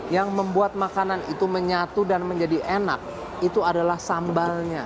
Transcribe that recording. yang membuat makanan itu menyatu dan menjadi enak itu adalah sambalnya